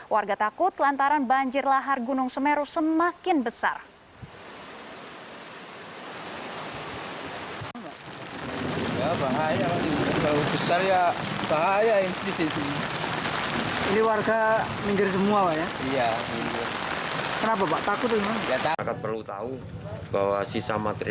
warga takut lantaran banjir lahar gunung semeru semakin besar